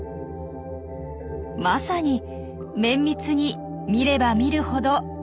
まさに「綿密に見れば見るほど新事実」。